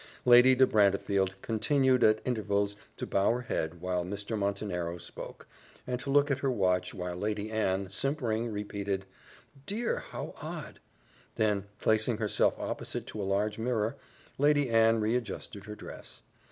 Lady de Brantefield continued at intervals to bow her head while Mr. Montenero spoke, and to look at her watch, while Lady Anne, simpering, repeated, "Dear, how odd!" Then placing herself opposite to a large mirror, Lady Anne re adjusted her dress.